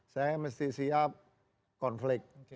saya mesti siap konflik